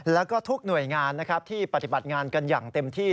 แล้วก็ทุกหน่วยงานนะครับที่ปฏิบัติงานกันอย่างเต็มที่